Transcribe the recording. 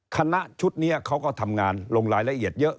คณะชุดนี้เขาก็ทำงานลงรายละเอียดเยอะ